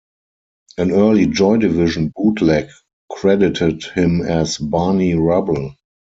An early Joy Division bootleg credited him as "Barney Rubble".